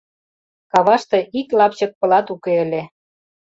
Каваште ик лапчык пылат уке ыле.